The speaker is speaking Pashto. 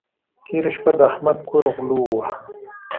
تېره شپه د احمد کور غلو وواهه.